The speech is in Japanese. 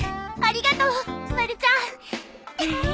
ありがとうまるちゃん。